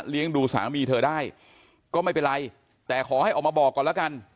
ดูสามีเธอได้ก็ไม่เป็นไรแต่ขอให้ออกมาบอกก่อนแล้วกัน